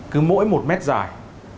cứ mỗi một mét dài